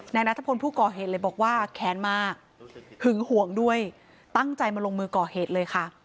นายนัทพลผู้ก่อเหตุเลยบอกว่าแค้นมากหึงห่วงด้วยตั้งใจมาลงมือก่อเหตุเลยค่ะ